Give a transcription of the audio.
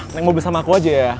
naik mobil sama aku aja ya